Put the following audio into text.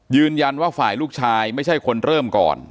ยืนยันว่าฝ่ายลูกชายไม่ใช่คนเริ่มก่อน